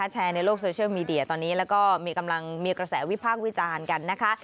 แชร์ในโลกโซเชียลมีเดียตอนนี้แล้วก็มีกำลังมีกระแสวิพากษ์วิจารณ์กันนะคะ